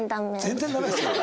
全然ダメですか？